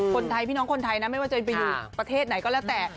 คนไทยพี่น้องคนไทยนะไม่ว่าจะไปอยู่ประเทศไหนก็แล้วแต่